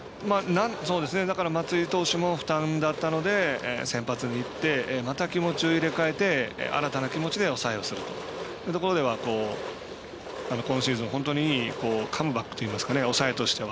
松井投手も負担だったので先発にいってまた気持ちを入れ替えて新たな気持ちで抑えをするというところでは今シーズン、本当にいいカムバックというか抑えとしては。